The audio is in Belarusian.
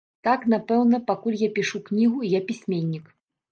Так, напэўна, пакуль я пішу кнігу, я пісьменнік.